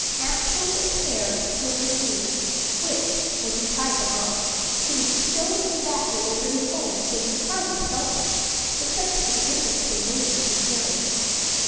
Actually a pair of silver ears, which, when he tried them on, fitted so exactly over his own that he hardly felt them, except for the difference they made in his hearing.